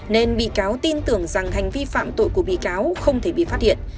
nên bị cáo tin tưởng rằng hành vi phạm tội của bị cáo không thể bị phát hiện